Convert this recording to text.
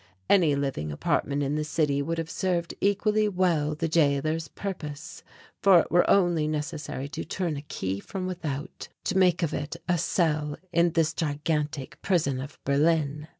Any living apartment in the city would have served equally well the jailor's purpose; for it were only necessary to turn a key from without to make of it a cell in this gigantic prison of Berlin.